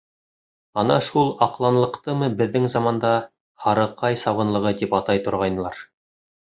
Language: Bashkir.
Ана шул аҡланлыҡтымы беҙҙең заманда «Һарыҡай сабынлығы» тип атай торғайнылар.